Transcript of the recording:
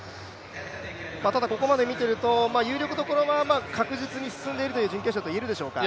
ただここまで見てると、有力どころは確実に進んでいる準決勝と言っていいでしょうか。